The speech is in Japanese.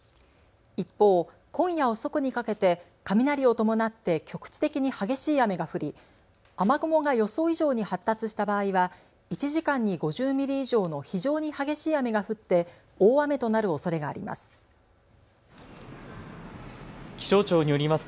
一方、今夜遅くにかけて雷を伴って局地的に激しい雨が降り雨雲が予想以上に発達した場合は１時間に５０ミリ以上の非常に激しい雨が降って大雨となるおそれがあります。